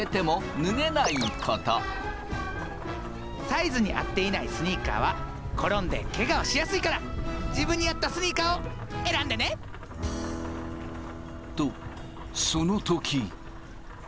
サイズに合っていないスニーカーは転んでけがをしやすいから自分に合ったスニーカーを選んでね！とその時。